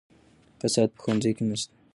فساد په ښوونځي کې نشته.